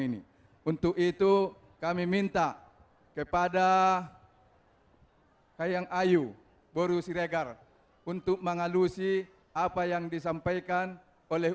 ini untuk itu kami minta kepada haiyang ayu boru siregar untuk mengalusi apa yang disampaikan oleh